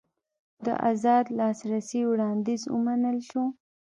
د ازاد لاسرسي وړاندیز ومنل شو.